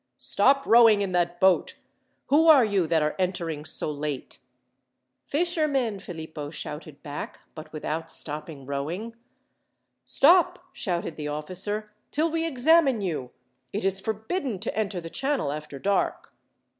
"Stop rowing in that boat! Who are you that are entering so late?" "Fishermen," Philippo shouted back, but without stopping rowing. "Stop!" shouted the officer, "till we examine you! It is forbidden to enter the channel after dark."